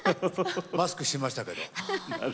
マスクしてましたけど。